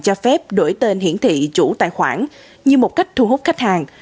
cho phép đổi tên hiển thị chủ tài khoản như một cách thu hút khách hàng